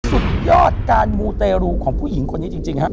สุดยอดการมูเตรูของผู้หญิงคนนี้จริงครับ